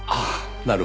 なるほど。